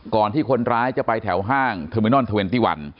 ที่คนร้ายจะไปแถวห้างเทอร์มินอนเทอร์เวนตี้วัน